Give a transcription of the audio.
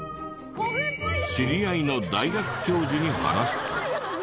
知り合いの大学教授に話すと。